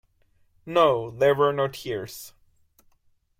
No, there were no tears.